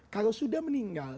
kalau sudah meninggal